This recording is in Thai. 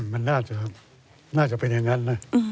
มันน่าจะเป็นอย่างนั้นนะ